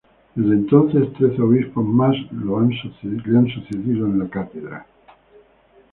Desde entonces trece obispos más lo han sucedido en la Cátedra.